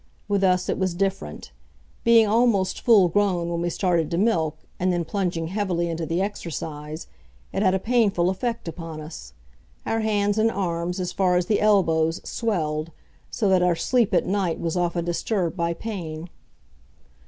With us it was different. Being almost full grown when we started to milk, and then plunging heavily into the exercise, it had a painful effect upon us. Our hands and arms, as far as the elbows, swelled, so that our sleep at night was often disturbed by pain.